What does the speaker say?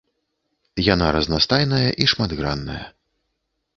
Яна разнастайная і шматгранная.